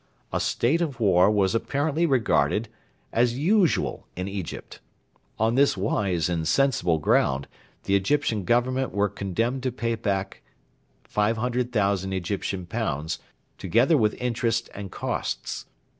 A state of war was apparently regarded as usual in Egypt. On this wise and sensible ground the Egyptian Government were condemned to pay back £E500,000, together with interest and costs.